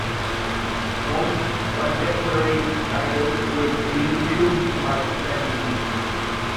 Most Contemporary titles were reissued by Fantasy.